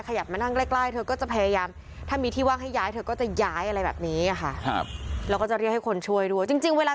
พี่นะไว้ใจเราก็จะเปลี่ยนทีไปนั่งข้างหน้าดีกว่าค่ะ